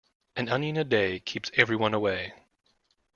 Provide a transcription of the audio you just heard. An onion a day keeps everyone away.